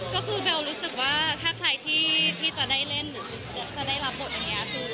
ก็คือเบลรู้สึกว่าถ้าใครที่จะได้เล่นหรือจะได้รับบทอย่างนี้